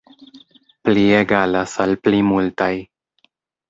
Pli = pli multaj.